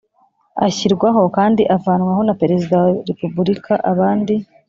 Ashyirwaho kandi avanwaho na perezida wa repubulika abandi